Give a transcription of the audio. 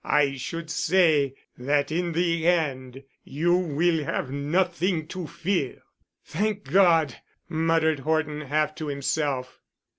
I should say that in the end you will have nothing to fear." "Thank God!" muttered Horton, half to himself.